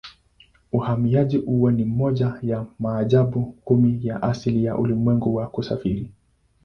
Uhamiaji huo ni moja ya maajabu kumi ya asili ya ulimwengu ya kusafiri.